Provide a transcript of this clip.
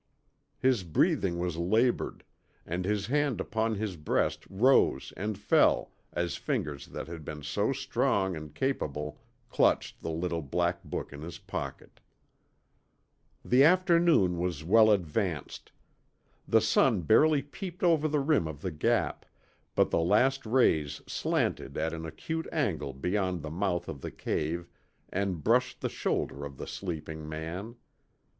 His breathing was labored, and his hand upon his breast rose and fell as fingers that had been so strong and capable clutched the little black book in his pocket. The afternoon was well advanced. The sun barely peeped over the rim of the Gap, but the last rays slanted at an acute angle beyond the mouth of the cave and brushed the shoulder of the sleeping man.